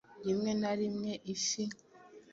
rimwe na rimwe Ifi,